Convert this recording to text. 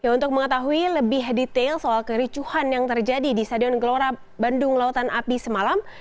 untuk mengetahui lebih detail soal kericuhan yang terjadi di stadion gelora bandung lautan api semalam